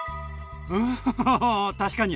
うんお確かに。